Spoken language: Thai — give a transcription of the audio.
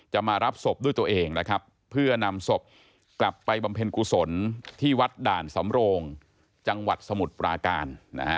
มารับศพด้วยตัวเองนะครับเพื่อนำศพกลับไปบำเพ็ญกุศลที่วัดด่านสำโรงจังหวัดสมุทรปราการนะฮะ